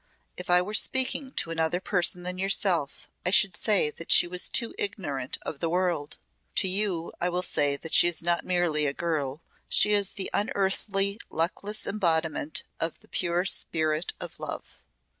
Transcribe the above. If I were speaking to another person than yourself I should say that she was too ignorant of the world. To you I will say that she is not merely a girl she is the unearthly luckless embodiment of the pure spirit of Love.